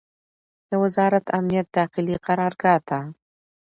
د وزارت امنیت داخلي قرارګاه ته